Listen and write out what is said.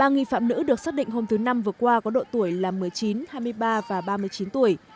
ba nghi phạm nữ được xác định hôm thứ năm vừa qua có độ tuổi là một mươi chín hai mươi ba và ba mươi chín tuổi